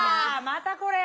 またこれ。